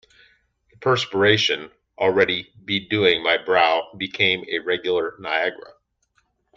The perspiration, already bedewing my brow, became a regular Niagara.